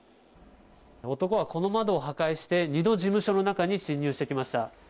男は、この窓を破壊して２度、事務所の中に侵入してきました。